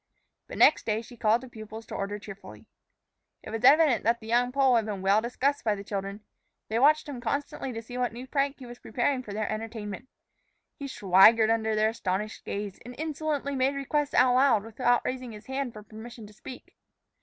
But next day she called the pupils to order cheerfully. It was evident that the young Pole had been well discussed by the children. They watched him constantly to see what new prank he was preparing for their entertainment. He swaggered under their astonished gaze, and insolently made requests aloud without raising his hand for permission to speak.